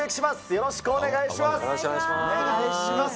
よろしくお願いします。